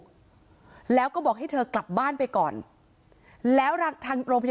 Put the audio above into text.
เขาไล่กลับเหมือนกันเพราะเต็มแล้วอะไรอย่างเงี้ย